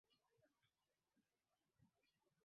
ni nchi yenye muda mrefu na wa kuvutia